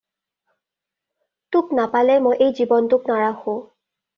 তোক নাপালে মই এই জীৱনটোক নাৰাখোঁ।